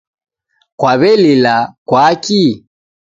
Kwaw'elila kwaki?